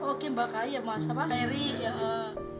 kisah koki mbak kaya mas apaan sih